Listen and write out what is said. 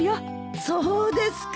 そうですか。